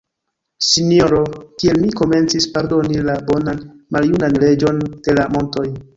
Sinjoro, kiel mi komencis pardoni la bonan maljunan Reĝon de la montoj!